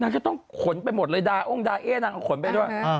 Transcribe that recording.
ก็ต้องขนไปหมดเลยดาอ้งดาเอ๊นางเอาขนไปด้วย